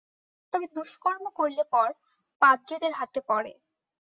তবে দুষ্কর্ম করলে পর পাদ্রীদের হাতে পড়ে।